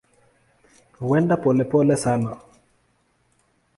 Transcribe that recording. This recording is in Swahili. Huenda polepole sana.